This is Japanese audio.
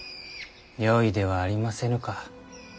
よいではありませぬか。